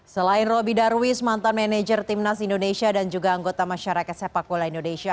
selain roby darwis mantan manajer timnas indonesia dan juga anggota masyarakat sepak bola indonesia